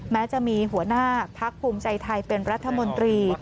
แม้จะมีหัวหน้าพักภูมิใจไทยเป็นรัฐมนตรี